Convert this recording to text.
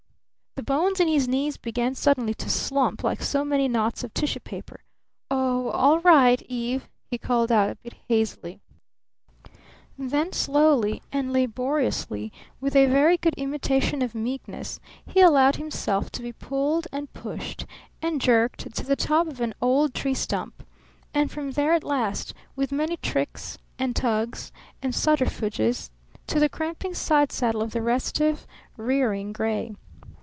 The bones in his knees began suddenly to slump like so many knots of tissue paper. "Oh all right Eve!" he called out a bit hazily. Then slowly and laboriously, with a very good imitation of meekness, he allowed himself to be pulled and pushed and jerked to the top of an old tree stump, and from there at last, with many tricks and tugs and subterfuges, to the cramping side saddle of the restive, rearing gray.